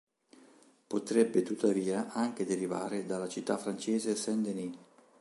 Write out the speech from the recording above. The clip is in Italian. Potrebbe tuttavia anche derivare dalla città francese Saint-Denis.